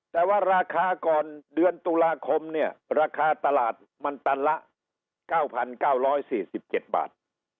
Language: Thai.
แต่ว่าราคาก่อนเดือนตุลาคมเนี่ยราคาตลาดมันตันละ๙๙๔๗บาท